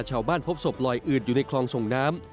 ชาวบ้านพบศพลอยอืดอยู่ในคลองส่งน้ำ